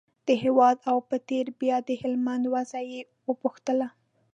د هېواد او په تېره بیا د هلمند وضعه یې پوښتله.